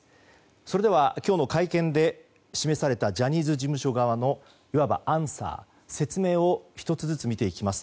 それでは今日の会見で示されたジャニーズ事務所側のいわばアンサー説明を１つずつ見ていきます。